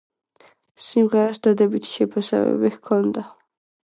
სიმღერას დადებითი შეფასებები ჰქონდა.